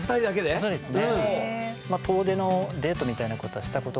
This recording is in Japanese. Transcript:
そうですね。